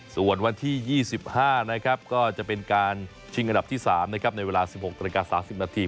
ส่วนวันที่๒๕นะครับก็จะเป็นการชิงอันดับที่๓ในเวลา๑๖นาฬิกา๓๐นาที